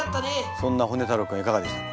そんなホネ太郎君はいかがでしたか？